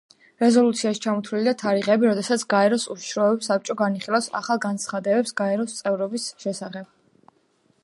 რეზოლუციაში ჩამოთვლილია თარიღები, როდესაც გაეროს უშიშროების საბჭო განიხილავს ახალ განცხადებებს გაეროს წევრობის შესახებ.